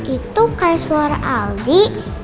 itu kayak suara aldi